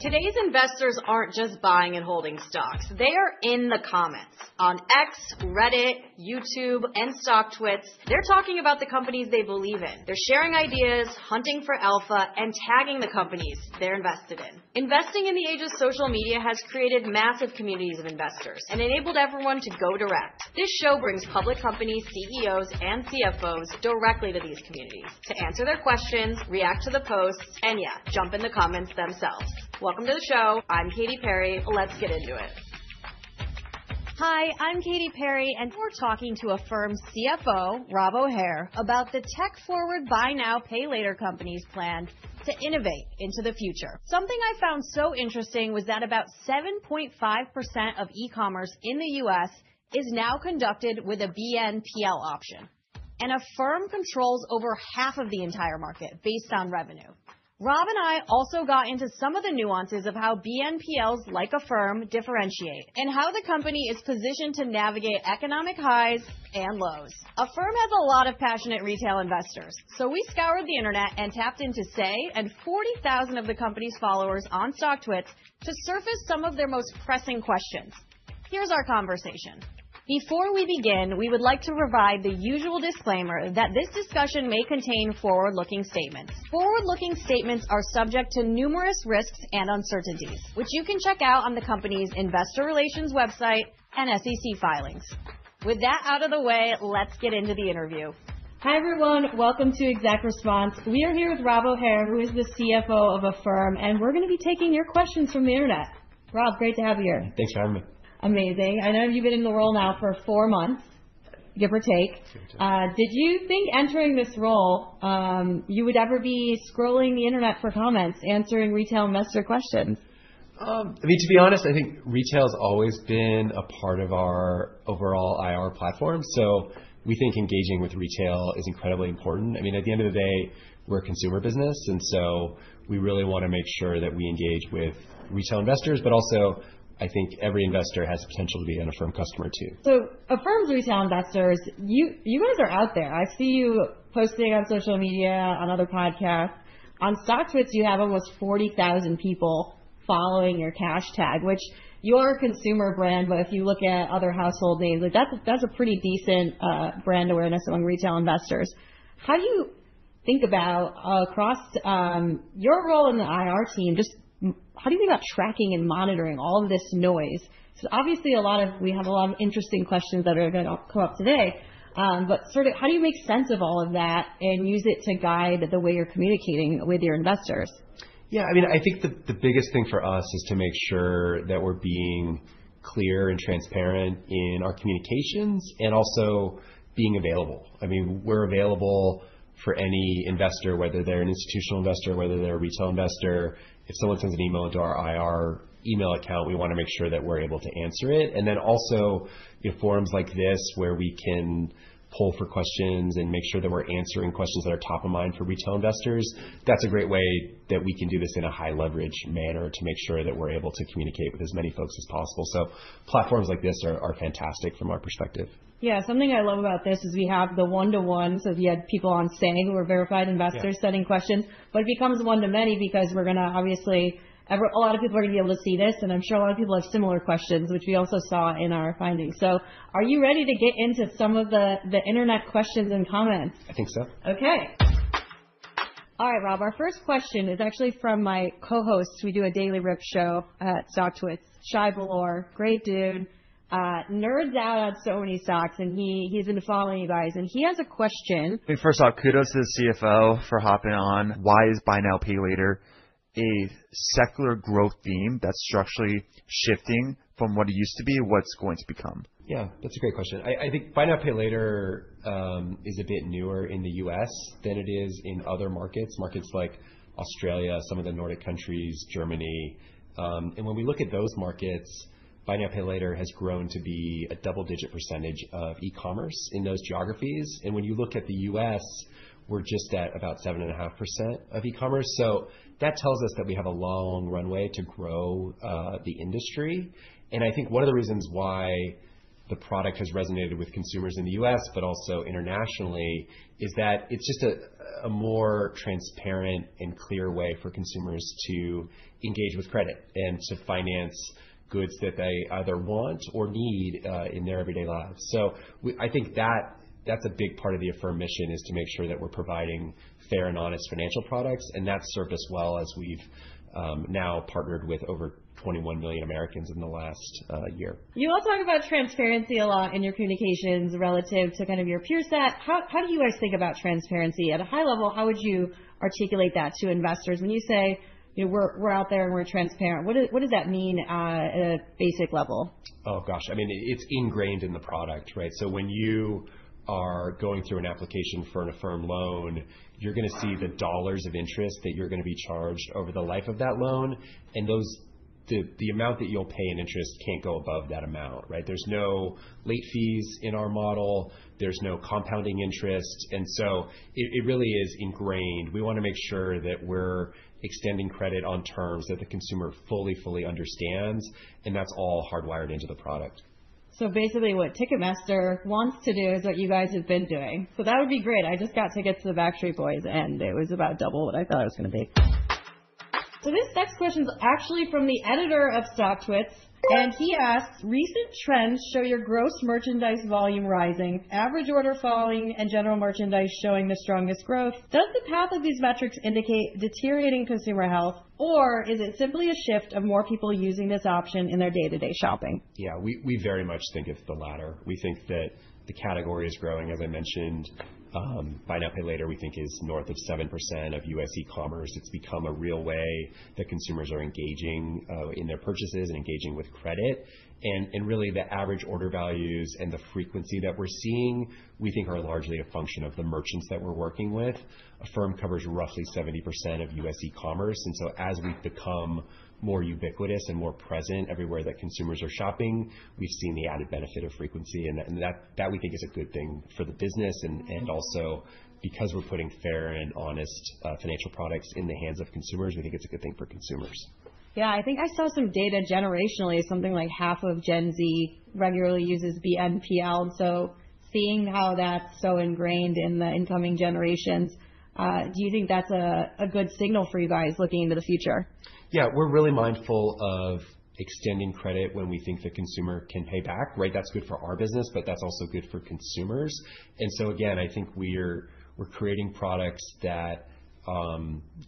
Today's investors aren't just buying and holding stocks; they are in the comments. On X, Reddit, YouTube, and Stocktwits, they're talking about the companies they believe in. They're sharing ideas, hunting for alpha, and tagging the companies they're invested in. Investing in the age of social media has created massive communities of investors and enabled everyone to go direct. This show brings public companies, CEOs, and CFOs directly to these communities to answer their questions, react to the posts, and, yeah, jump in the comments themselves. Welcome to the show. I'm Katy Perry. Let's get into it. Hi, I'm Katie Perry, and we're talking to Affirm's CFO, Rob O'Hare, about the tech-forward buy-now-pay-later companies' plan to innovate into the future. Something I found so interesting was that about 7.5% of e-commerce in the U.S. is now conducted with a BNPL option, and Affirm controls over half of the entire market based on revenue. Rob and I also got into some of the nuances of how BNPLs like Affirm differentiate and how the company is positioned to navigate economic highs and lows. Affirm has a lot of passionate retail investors, so we scoured the internet and tapped into Say and 40,000 of the company's followers on StockTwits to surface some of their most pressing questions. Here's our conversation. Before we begin, we would like to provide the usual disclaimer that this discussion may contain forward-looking statements. Forward-looking statements are subject to numerous risks and uncertainties, which you can check out on the company's investor relations website and SEC filings. With that out of the way, let's get into the interview. Hi, everyone. Welcome to Exec Response. We are here with Rob O'Hare, who is the CFO of Affirm, and we're going to be taking your questions from the internet. Rob, great to have you here. Thanks for having me. Amazing. I know you've been in the role now for four months, give or take. Did you think entering this role you would ever be scrolling the internet for comments, answering retail investor questions? I mean, to be honest, I think retail has always been a part of our overall IR platform, so we think engaging with retail is incredibly important. I mean, at the end of the day, we're a consumer business, and so we really want to make sure that we engage with retail investors, but also, I think every investor has the potential to be an Affirm customer too. Affirm's retail investors, you guys are out there. I see you posting on social media, on other podcasts. On StockTwits, you have almost 40,000 people following your Cashtag, which you are a consumer brand, but if you look at other household names, that's a pretty decent brand awareness among retail investors. How do you think about, across your role in the IR team, just how do you think about tracking and monitoring all of this noise? Obviously, we have a lot of interesting questions that are going to come up today, but sort of how do you make sense of all of that and use it to guide the way you're communicating with your investors? Yeah, I mean, I think the biggest thing for us is to make sure that we're being clear and transparent in our communications and also being available. I mean, we're available for any investor, whether they're an institutional investor, whether they're a retail investor. If someone sends an email into our IR email account, we want to make sure that we're able to answer it. Also, forums like this, where we can pull for questions and make sure that we're answering questions that are top of mind for retail investors, that's a great way that we can do this in a high-leverage manner to make sure that we're able to communicate with as many folks as possible. Platforms like this are fantastic from our perspective. Yeah, something I love about this is we have the one-to-ones. If you had people on Say who are verified investors sending questions, it becomes one-to-many because obviously, a lot of people are going to be able to see this, and I'm sure a lot of people have similar questions, which we also saw in our findings. Are you ready to get into some of the internet questions and comments? I think so. Okay. All right, Rob, our first question is actually from my co-host. We do a daily rip show at StockTwits. Shay, great dude, nerds out on so many stocks, and he's been following you guys. And he has a question. First off, kudos to the CFO for hopping on. Why is buy now, pay later a secular growth theme that's structurally shifting from what it used to be? What's going to become? Yeah, that's a great question. I think buy now, pay later is a bit newer in the U.S. than it is in other markets, markets like Australia, some of the Nordic countries, Germany. When we look at those markets, buy now, pay later has grown to be a double-digit percentage of e-commerce in those geographies. When you look at the U.S., we're just at about 7.5% of e-commerce. That tells us that we have a long runway to grow the industry. I think one of the reasons why the product has resonated with consumers in the U.S., but also internationally, is that it's just a more transparent and clear way for consumers to engage with credit and to finance goods that they either want or need in their everyday lives. I think that's a big part of the Affirm mission is to make sure that we're providing fair and honest financial products, and that's served us well as we've now partnered with over 21 million Americans in the last year. You all talk about transparency a lot in your communications relative to kind of your peer set. How do you guys think about transparency? At a high level, how would you articulate that to investors? When you say, "We're out there and we're transparent," what does that mean at a basic level? Oh, gosh. I mean, it's ingrained in the product, right? So when you are going through an application for an Affirm loan, you're going to see the dollars of interest that you're going to be charged over the life of that loan, and the amount that you'll pay in interest can't go above that amount, right? There's no late fees in our model. There's no compounding interest. It really is ingrained. We want to make sure that we're extending credit on terms that the consumer fully, fully understands, and that's all hardwired into the product. Basically what Ticketmaster wants to do is what you guys have been doing. That would be great. I just got tickets to the Backstreet Boys, and it was about double what I thought it was going to be. This next question is actually from the editor of StockTwits, and he asks, "Recent trends show your gross merchandise volume rising, average order falling, and general merchandise showing the strongest growth. Does the path of these metrics indicate deteriorating consumer health, or is it simply a shift of more people using this option in their day-to-day shopping? Yeah, we very much think it's the latter. We think that the category is growing. As I mentioned, buy now, pay later, we think, is north of 7% of U.S. e-commerce. It's become a real way that consumers are engaging in their purchases and engaging with credit. Really, the average order values and the frequency that we're seeing, we think, are largely a function of the merchants that we're working with. Affirm covers roughly 70% of U.S. e-commerce. As we become more ubiquitous and more present everywhere that consumers are shopping, we've seen the added benefit of frequency. That, we think, is a good thing for the business. Also, because we're putting fair and honest financial products in the hands of consumers, we think it's a good thing for consumers. Yeah, I think I saw some data generationally, something like half of Gen Z regularly uses BNPL. Seeing how that's so ingrained in the incoming generations, do you think that's a good signal for you guys looking into the future? Yeah, we're really mindful of extending credit when we think the consumer can pay back, right? That's good for our business, but that's also good for consumers. I think we're creating products that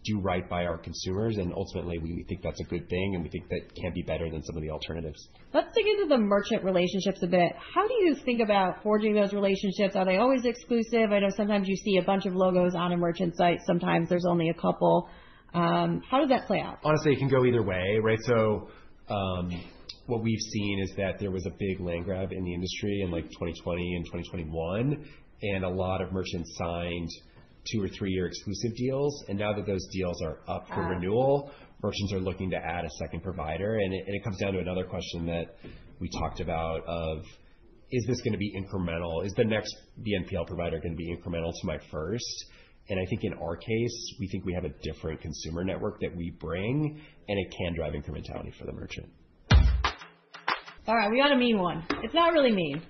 do right by our consumers, and ultimately, we think that's a good thing, and we think that can be better than some of the alternatives. Let's dig into the merchant relationships a bit. How do you think about forging those relationships? Are they always exclusive? I know sometimes you see a bunch of logos on a merchant site. Sometimes there's only a couple. How does that play out? Honestly, it can go either way, right? What we've seen is that there was a big land grab in the industry in 2020 and 2021, and a lot of merchants signed two- or three-year exclusive deals. Now that those deals are up for renewal, merchants are looking to add a second provider. It comes down to another question that we talked about of, is this going to be incremental? Is the next BNPL provider going to be incremental to my first? I think in our case, we think we have a different consumer network that we bring, and it can drive incrementality for the merchant. All right, we got a mean one. It's not really mean.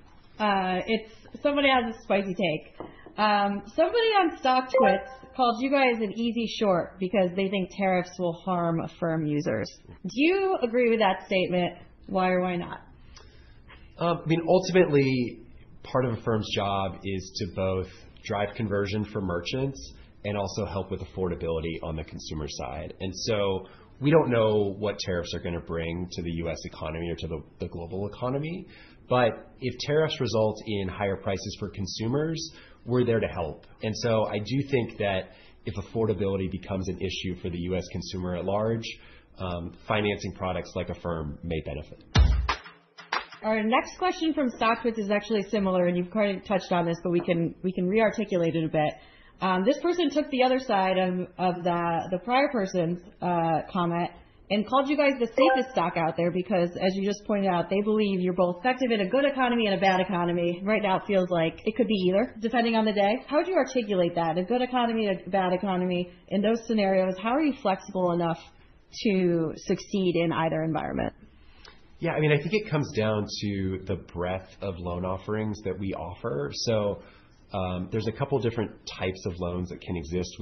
Somebody has a spicy take. Somebody on StockTwits called you guys an easy short because they think tariffs will harm Affirm users. Do you agree with that statement? Why or why not? I mean, ultimately, part of Affirm's job is to both drive conversion for merchants and also help with affordability on the consumer side. We do not know what tariffs are going to bring to the U.S. economy or to the global economy, but if tariffs result in higher prices for consumers, we are there to help. I do think that if affordability becomes an issue for the U.S. consumer at large, financing products like Affirm may benefit. Our next question from StockTwits is actually similar, and you've kind of touched on this, but we can rearticulate it a bit. This person took the other side of the prior person's comment and called you guys the safest stock out there because, as you just pointed out, they believe you're both effective in a good economy and a bad economy. Right now, it feels like it could be either, depending on the day. How would you articulate that? A good economy, a bad economy. In those scenarios, how are you flexible enough to succeed in either environment? Yeah, I mean, I think it comes down to the breadth of loan offerings that we offer. There are a couple of different types of loans that can exist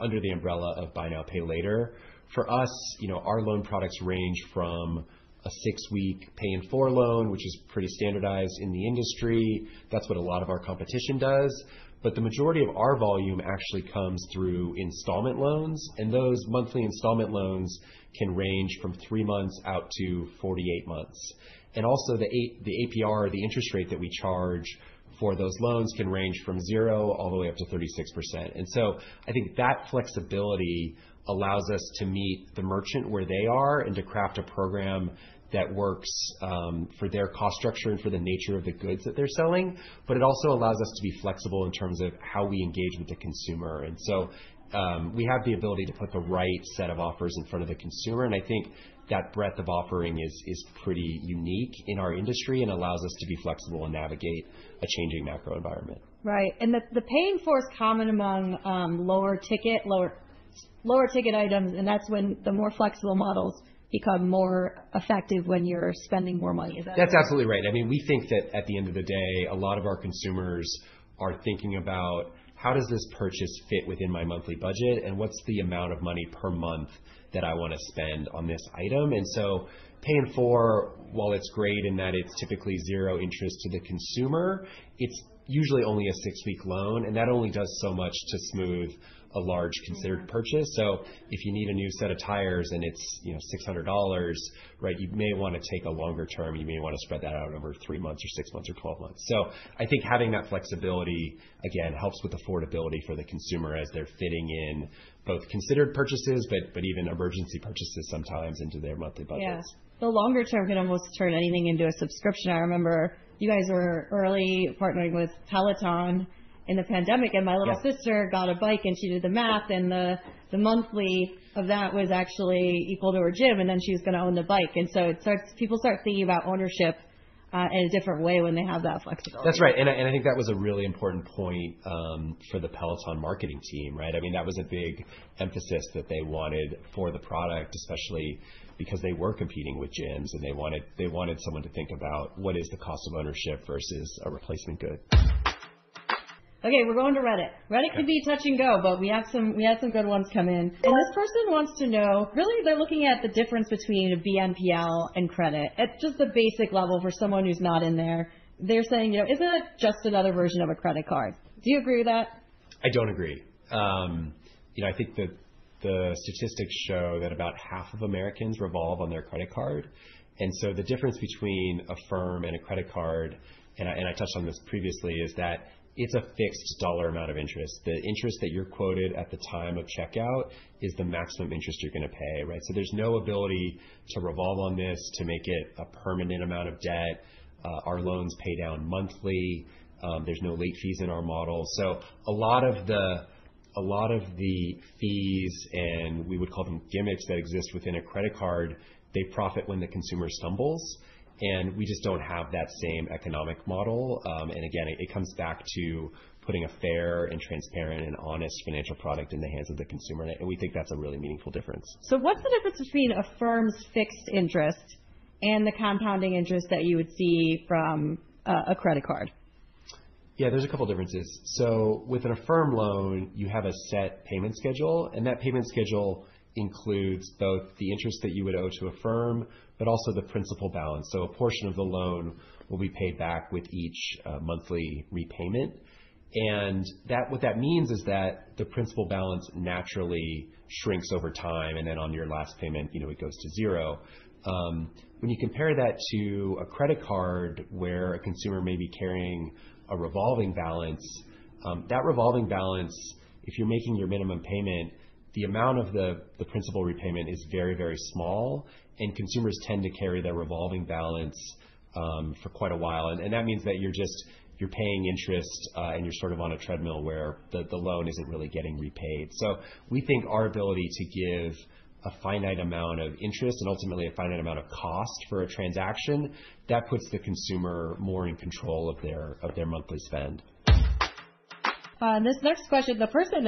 under the umbrella of buy now, pay later. For us, our loan products range from a six-week Pay in 4 loan, which is pretty standardized in the industry. That's what a lot of our competition does. The majority of our volume actually comes through installment loans, and those monthly installment loans can range from three months out to 48 months. Also, the APR, the interest rate that we charge for those loans, can range from 0% all the way up to 36%. I think that flexibility allows us to meet the merchant where they are and to craft a program that works for their cost structure and for the nature of the goods that they're selling, but it also allows us to be flexible in terms of how we engage with the consumer. We have the ability to put the right set of offers in front of the consumer, and I think that breadth of offering is pretty unique in our industry and allows us to be flexible and navigate a changing macro environment. Right. The Pay in 4 is common among lower ticket items, and that's when the more flexible models become more effective when you're spending more money. That's absolutely right. I mean, we think that at the end of the day, a lot of our consumers are thinking about, how does this purchase fit within my monthly budget, and what's the amount of money per month that I want to spend on this item? Pay in 4, while it's great in that it's typically zero interest to the consumer, is usually only a six-week loan, and that only does so much to smooth a large considered purchase. If you need a new set of tires and it's $600, you may want to take a longer term. You may want to spread that out over three months or six months or twelve months. I think having that flexibility, again, helps with affordability for the consumer as they're fitting in both considered purchases, but even emergency purchases sometimes into their monthly budgets. Yeah. The longer term can almost turn anything into a subscription. I remember you guys were early partnering with Peloton in the pandemic, and my little sister got a bike, and she did the math, and the monthly of that was actually equal to her gym, and then she was going to own the bike. People start thinking about ownership in a different way when they have that flexibility. That's right. I think that was a really important point for the Peloton marketing team, right? I mean, that was a big emphasis that they wanted for the product, especially because they were competing with gyms, and they wanted someone to think about what is the cost of ownership versus a replacement good. Okay, we're going to Reddit. Reddit could be touch and go, but we have some good ones come in. This person wants to know, really, they're looking at the difference between a BNPL and credit at just the basic level for someone who's not in there. They're saying, isn't it just another version of a credit card? Do you agree with that? I don't agree. I think the statistics show that about half of Americans revolve on their credit card. The difference between Affirm and a credit card, and I touched on this previously, is that it's a fixed dollar amount of interest. The interest that you're quoted at the time of checkout is the maximum interest you're going to pay, right? There's no ability to revolve on this to make it a permanent amount of debt. Our loans pay down monthly. There's no late fees in our model. A lot of the fees, and we would call them gimmicks, that exist within a credit card, they profit when the consumer stumbles. We just don't have that same economic model. It comes back to putting a fair and transparent and honest financial product in the hands of the consumer, and we think that's a really meaningful difference. What's the difference between Affirm's fixed interest and the compounding interest that you would see from a credit card? Yeah, there's a couple of differences. With an Affirm loan, you have a set payment schedule, and that payment schedule includes both the interest that you would owe to Affirm, but also the principal balance. A portion of the loan will be paid back with each monthly repayment. What that means is that the principal balance naturally shrinks over time, and then on your last payment, it goes to zero. When you compare that to a credit card where a consumer may be carrying a revolving balance, that revolving balance, if you're making your minimum payment, the amount of the principal repayment is very, very small, and consumers tend to carry their revolving balance for quite a while. That means that you're just paying interest, and you're sort of on a treadmill where the loan isn't really getting repaid. We think our ability to give a finite amount of interest and ultimately a finite amount of cost for a transaction, that puts the consumer more in control of their monthly spend. This next question, the person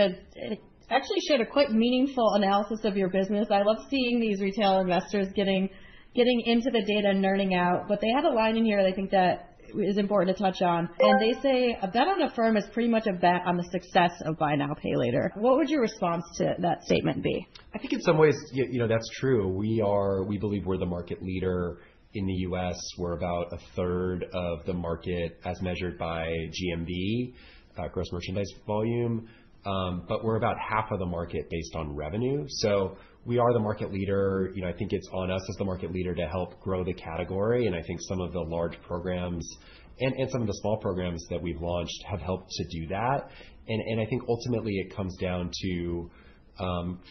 actually shared a quite meaningful analysis of your business. I love seeing these retail investors getting into the data and nerding out, but they have a line in here they think that is important to touch on. They say, "A bet on Affirm is pretty much a bet on the success of buy now, pay later." What would your response to that statement be? I think in some ways, that's true. We believe we're the market leader in the U.S. We're about a third of the market as measured by GMV, gross merchandise volume, but we're about half of the market based on revenue. So we are the market leader. I think it's on us as the market leader to help grow the category. I think some of the large programs and some of the small programs that we've launched have helped to do that. I think ultimately it comes down to,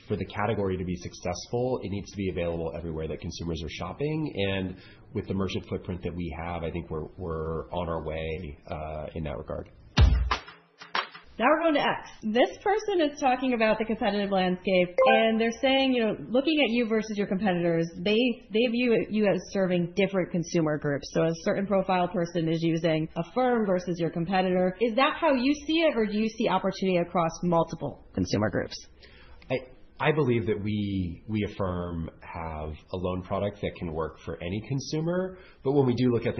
for the category to be successful, it needs to be available everywhere that consumers are shopping. With the merchant footprint that we have, I think we're on our way in that regard. Now we're going to X. This person is talking about the competitive landscape, and they're saying, looking at you versus your competitors, they view you as serving different consumer groups. So a certain profile person is using Affirm versus your competitor. Is that how you see it, or do you see opportunity across multiple consumer groups? I believe that we at Affirm have a loan product that can work for any consumer, but when we do look at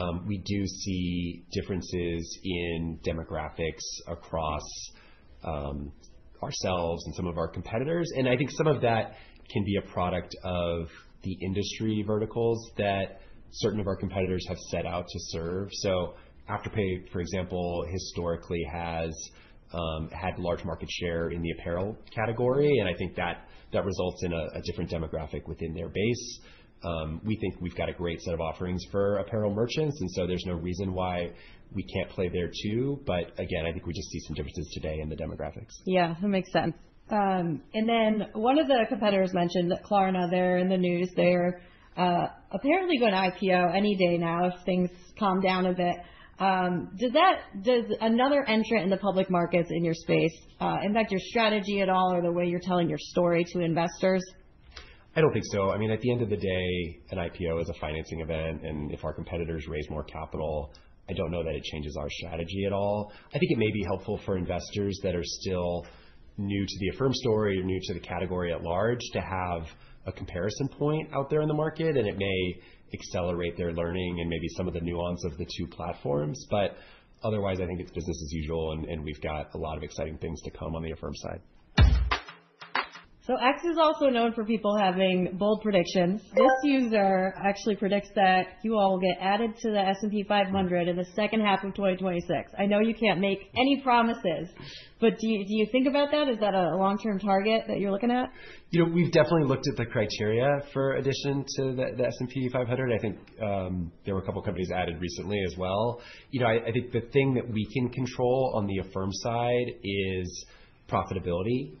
the data, we do see differences in demographics across ourselves and some of our competitors. I think some of that can be a product of the industry verticals that certain of our competitors have set out to serve. Afterpay, for example, historically has had large market share in the apparel category, and I think that results in a different demographic within their base. We think we've got a great set of offerings for apparel merchants, and there is no reason why we can't play there too. I think we just see some differences today in the demographics. Yeah, that makes sense. One of the competitors mentioned Klarna there in the news. They're apparently going to IPO any day now if things calm down a bit. Does another entrant in the public markets in your space impact your strategy at all or the way you're telling your story to investors? I don't think so. I mean, at the end of the day, an IPO is a financing event, and if our competitors raise more capital, I don't know that it changes our strategy at all. I think it may be helpful for investors that are still new to the Affirm story or new to the category at large to have a comparison point out there in the market, and it may accelerate their learning and maybe some of the nuance of the two platforms. Otherwise, I think it's business as usual, and we've got a lot of exciting things to come on the Affirm side. X is also known for people having bold predictions. This user actually predicts that you all will get added to the S&P 500 in the second half of 2026. I know you can't make any promises, but do you think about that? Is that a long-term target that you're looking at? We've definitely looked at the criteria for addition to the S&P 500. I think there were a couple of companies added recently as well. I think the thing that we can control on the Affirm side is profitability.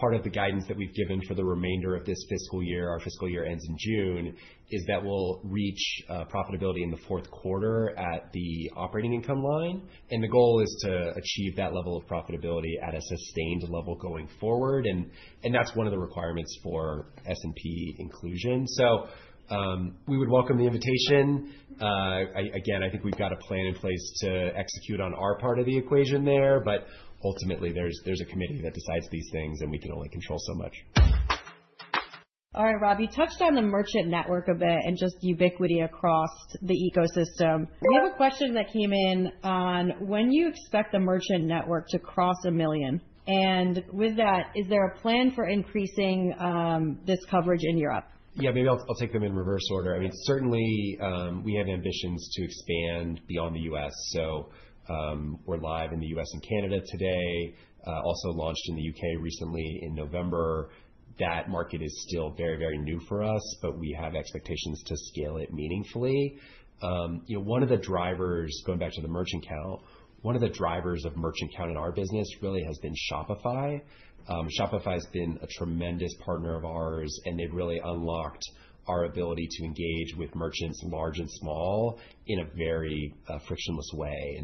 Part of the guidance that we've given for the remainder of this fiscal year, our fiscal year ends in June, is that we'll reach profitability in the fourth quarter at the operating income line. The goal is to achieve that level of profitability at a sustained level going forward, and that's one of the requirements for S&P inclusion. We would welcome the invitation. Again, I think we've got a plan in place to execute on our part of the equation there, but ultimately there's a committee that decides these things, and we can only control so much. All right, Rob, you touched on the merchant network a bit and just ubiquity across the ecosystem. We have a question that came in on when you expect the merchant network to cross a million. With that, is there a plan for increasing this coverage in Europe? Yeah, maybe I'll take them in reverse order. I mean, certainly we have ambitions to expand beyond the U.S. So we're live in the U.S. and Canada today. Also launched in the U.K. recently in November. That market is still very, very new for us, but we have expectations to scale it meaningfully. One of the drivers, going back to the merchant count, one of the drivers of merchant count in our business really has been Shopify. Shopify has been a tremendous partner of ours, and they've really unlocked our ability to engage with merchants large and small in a very frictionless way.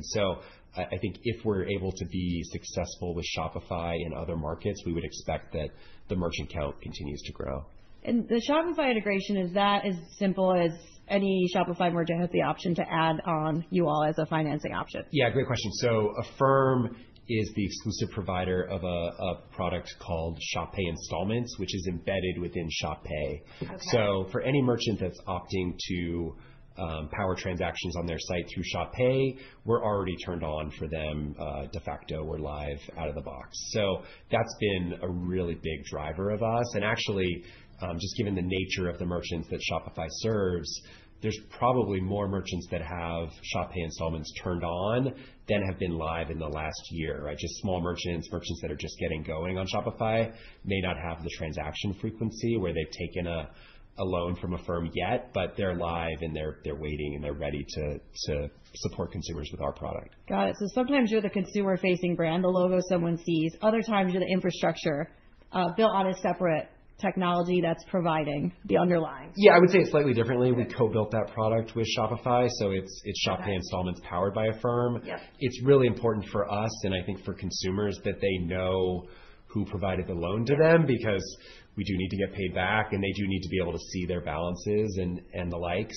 I think if we're able to be successful with Shopify in other markets, we would expect that the merchant count continues to grow. The Shopify integration, is that as simple as any Shopify merchant has the option to add on you all as a financing option? Yeah, great question. Affirm is the exclusive provider of a product called ShopPay Installments, which is embedded within Shop Pay. For any merchant that's opting to power transactions on their site through ShopPay, we're already turned on for them de facto. We're live out of the box. That's been a really big driver of us. Actually, just given the nature of the merchants that Shopify serves, there's probably more merchants that have ShopPay Installments turned on than have been live in the last year. Just small merchants, merchants that are just getting going on Shopify, may not have the transaction frequency where they've taken a loan from Affirm yet, but they're live and they're waiting and they're ready to support consumers with our product. Got it. Sometimes you're the consumer-facing brand, the logo someone sees. Other times you're the infrastructure built on a separate technology that's providing the underlying. Yeah, I would say it slightly differently. We co-built that product with Shopify. So it's ShopPay Installments powered by Affirm. It's really important for us and I think for consumers that they know who provided the loan to them because we do need to get paid back and they do need to be able to see their balances and the like.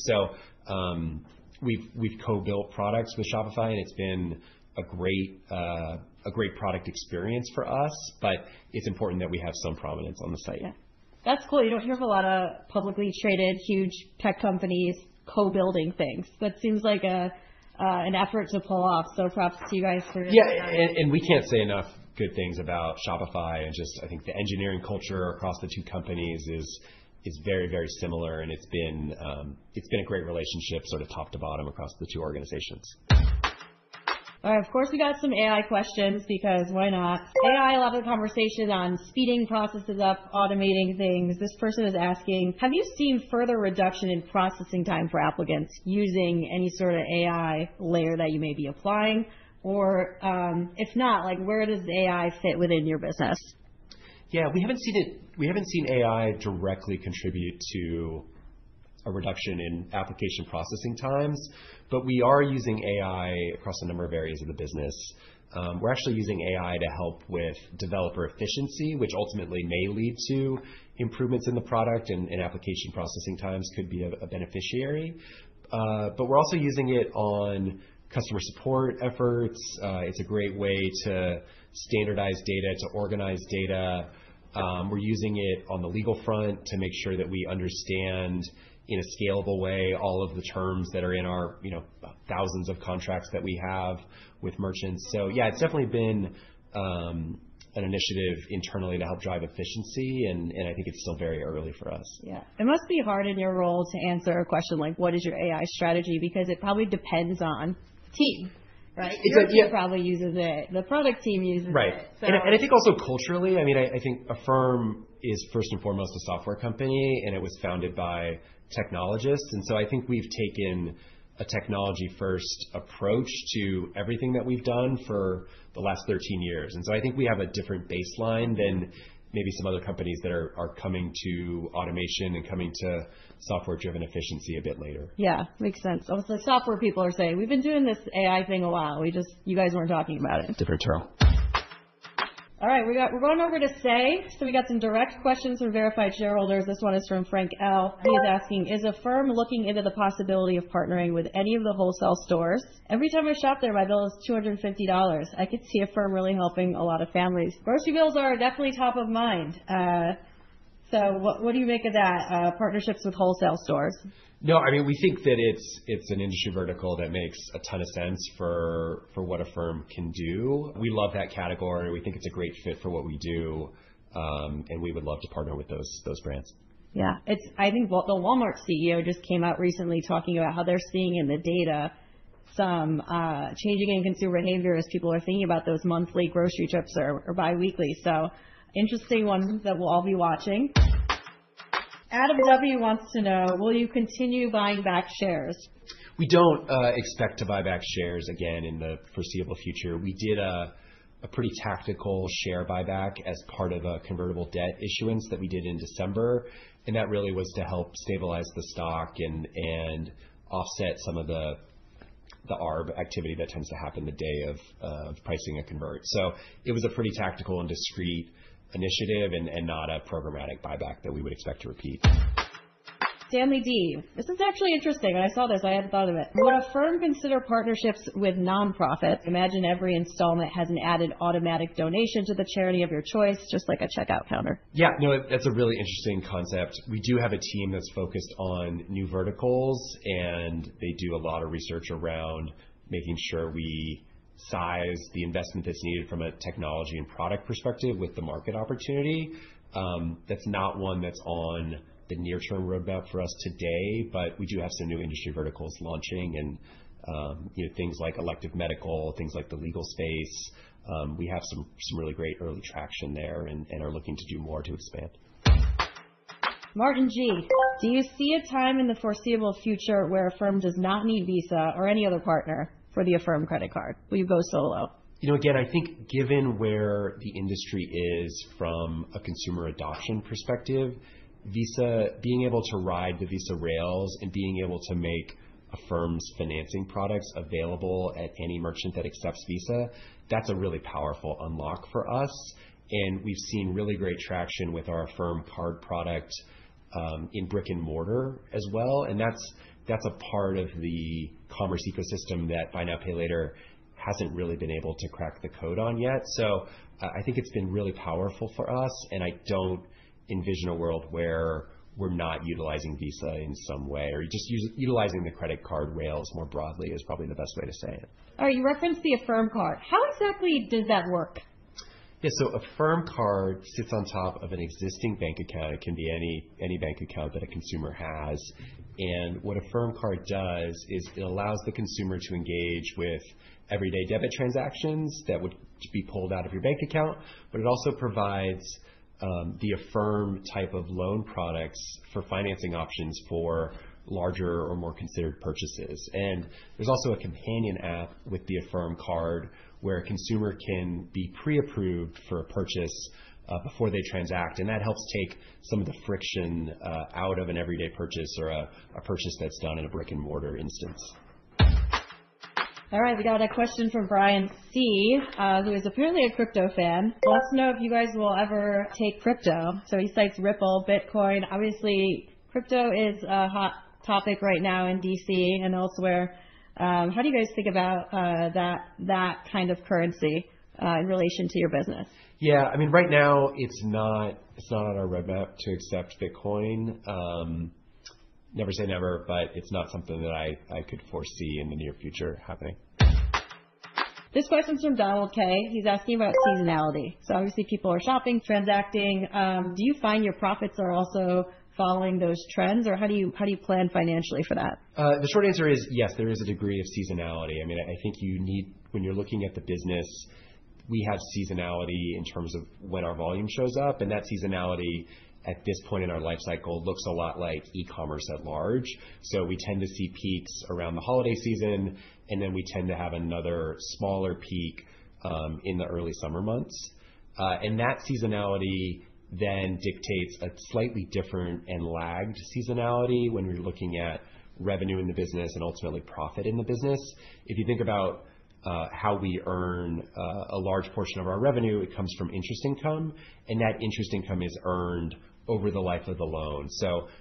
We have co-built products with Shopify and it's been a great product experience for us, but it's important that we have some prominence on the site. Yeah. That's cool. You don't hear of a lot of publicly traded huge tech companies co-building things. That seems like an effort to pull off. So props to you guys for that. Yeah, and we can't say enough good things about Shopify and just I think the engineering culture across the two companies is very, very similar and it's been a great relationship sort of top to bottom across the two organizations. All right, of course we got some AI questions because why not? AI, a lot of the conversation on speeding processes up, automating things. This person is asking, have you seen further reduction in processing time for applicants using any sort of AI layer that you may be applying? Or if not, where does AI fit within your business? Yeah, we haven't seen AI directly contribute to a reduction in application processing times, but we are using AI across a number of areas of the business. We're actually using AI to help with developer efficiency, which ultimately may lead to improvements in the product and application processing times could be a beneficiary. We're also using it on customer support efforts. It's a great way to standardize data, to organize data. We're using it on the legal front to make sure that we understand in a scalable way all of the terms that are in our thousands of contracts that we have with merchants. Yeah, it's definitely been an initiative internally to help drive efficiency, and I think it's still very early for us. Yeah. It must be hard in your role to answer a question like, what is your AI strategy? Because it probably depends on team, right? You probably use it. The product team uses it. Right. I think also culturally, I mean, I think Affirm is first and foremost a software company, and it was founded by technologists. I think we've taken a technology-first approach to everything that we've done for the last 13 years. I think we have a different baseline than maybe some other companies that are coming to automation and coming to software-driven efficiency a bit later. Yeah, makes sense. Also, software people are saying, we've been doing this AI thing a while. You guys weren't talking about it. Different turtle. All right, we're going over to say. We got some direct questions from verified shareholders. This one is from Frank L. He is asking, is Affirm looking into the possibility of partnering with any of the wholesale stores? Every time I shop there, my bill is $250. I could see Affirm really helping a lot of families. Grocery bills are definitely top of mind. What do you make of that? Partnerships with wholesale stores? No, I mean, we think that it's an industry vertical that makes a ton of sense for what Affirm can do. We love that category. We think it's a great fit for what we do, and we would love to partner with those brands. Yeah. I think the Walmart CEO just came out recently talking about how they're seeing in the data some changing in consumer behavior as people are thinking about those monthly grocery trips or biweekly. Interesting one that we'll all be watching. Adam W. wants to know, will you continue buying back shares? We do not expect to buy back shares again in the foreseeable future. We did a pretty tactical share buyback as part of a convertible debt issuance that we did in December, and that really was to help stabilize the stock and offset some of the ARB activity that tends to happen the day of pricing a convert. It was a pretty tactical and discreet initiative and not a programmatic buyback that we would expect to repeat. This is actually interesting. I saw this. I had not thought of it. Would Affirm consider partnerships with nonprofits? Imagine every installment has an added automatic donation to the charity of your choice, just like a checkout counter. Yeah, no, that's a really interesting concept. We do have a team that's focused on new verticals, and they do a lot of research around making sure we size the investment that's needed from a technology and product perspective with the market opportunity. That's not one that's on the near-term roadmap for us today, but we do have some new industry verticals launching and things like elective medical, things like the legal space. We have some really great early traction there and are looking to do more to expand. Do you see a time in the foreseeable future where Affirm does not need Visa or any other partner for the Affirm credit card? Will you go solo? You know, again, I think given where the industry is from a consumer adoption perspective, Visa, being able to ride the Visa rails and being able to make Affirm's financing products available at any merchant that accepts Visa, that's a really powerful unlock for us. We've seen really great traction with our Affirm Card product in brick and mortar as well. That's a part of the commerce ecosystem that Buy Now Pay Later hasn't really been able to crack the code on yet. I think it's been really powerful for us, and I don't envision a world where we're not utilizing Visa in some way or just utilizing the credit card rails more broadly is probably the best way to say it. All right, you referenced the Affirm Card. How exactly does that work? Yeah, Affirm Card sits on top of an existing bank account. It can be any bank account that a consumer has. What Affirm Card does is it allows the consumer to engage with everyday debit transactions that would be pulled out of your bank account, but it also provides the Affirm type of loan products for financing options for larger or more considered purchases. There is also a companion app with the Affirm Card where a consumer can be pre-approved for a purchase before they transact. That helps take some of the friction out of an everyday purchase or a purchase that's done in a brick and mortar instance. All right, we got a question from Brian C, who is apparently a crypto fan. He wants to know if you guys will ever take crypto. He cites Ripple, Bitcoin. Obviously, crypto is a hot topic right now in DC and elsewhere. How do you guys think about that kind of currency in relation to your business? Yeah, I mean, right now it's not on our roadmap to accept Bitcoin. Never say never, but it's not something that I could foresee in the near future happening. This question is from Donald K. He's asking about seasonality. Obviously people are shopping, transacting. Do you find your profits are also following those trends, or how do you plan financially for that? The short answer is yes, there is a degree of seasonality. I mean, I think you need, when you're looking at the business, we have seasonality in terms of when our volume shows up. That seasonality at this point in our life cycle looks a lot like e-commerce at large. We tend to see peaks around the holiday season, and then we tend to have another smaller peak in the early summer months. That seasonality then dictates a slightly different and lagged seasonality when we're looking at revenue in the business and ultimately profit in the business. If you think about how we earn a large portion of our revenue, it comes from interest income, and that interest income is earned over the life of the loan.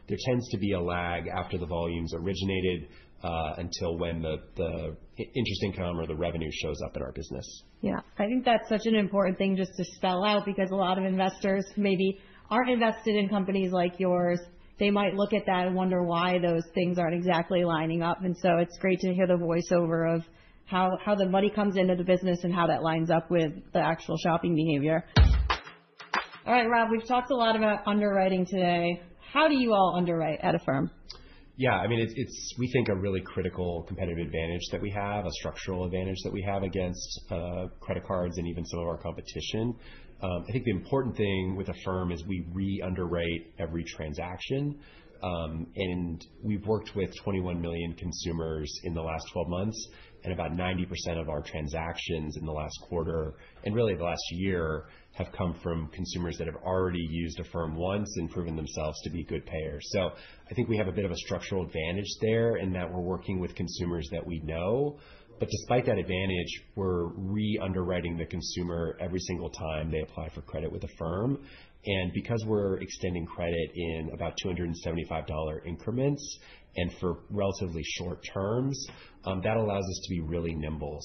There tends to be a lag after the volumes originated until when the interest income or the revenue shows up in our business. Yeah. I think that's such an important thing just to spell out because a lot of investors maybe aren't invested in companies like yours. They might look at that and wonder why those things aren't exactly lining up. It's great to hear the voiceover of how the money comes into the business and how that lines up with the actual shopping behavior. All right, Rob, we've talked a lot about underwriting today. How do you all underwrite at Affirm? Yeah, I mean, it's, we think, a really critical competitive advantage that we have, a structural advantage that we have against credit cards and even some of our competition. I think the important thing with Affirm is we re-underwrite every transaction. We've worked with 21 million consumers in the last 12 months, and about 90% of our transactions in the last quarter and really the last year have come from consumers that have already used Affirm once and proven themselves to be good payers. I think we have a bit of a structural advantage there in that we're working with consumers that we know. Despite that advantage, we're re-underwriting the consumer every single time they apply for credit with Affirm. Because we're extending credit in about $275 increments and for relatively short terms, that allows us to be really nimble.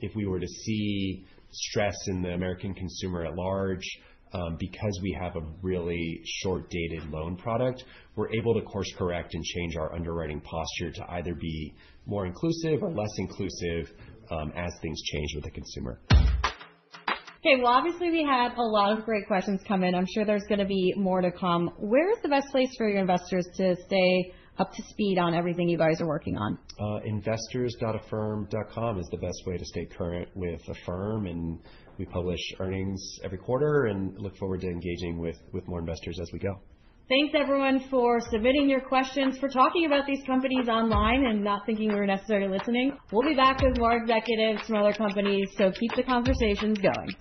If we were to see stress in the American consumer at large, because we have a really short-dated loan product, we're able to course correct and change our underwriting posture to either be more inclusive or less inclusive as things change with the consumer. Okay, well, obviously we had a lot of great questions come in. I'm sure there's going to be more to come. Where is the best place for your investors to stay up to speed on everything you guys are working on? Investors.affirm.com is the best way to stay current with Affirm. We publish earnings every quarter and look forward to engaging with more investors as we go. Thanks, everyone, for submitting your questions, for talking about these companies online and not thinking we're necessarily listening. We'll be back with more executives from other companies, so keep the conversations going.